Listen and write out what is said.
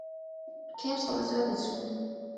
რქებს ყოველწლიურად იცვლიან.